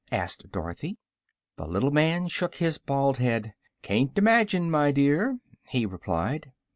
asked Dorothy. The little man shook his bald head. "Can't imagine, my dear," he replied.